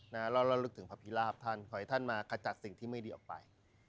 แล้วเราลึกถึงพระพิราบท่านขอให้ท่านมาขจัดสิ่งที่ไม่ดีออกไป